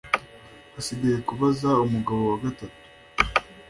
hasigaye kubaza umugabo wa gatatu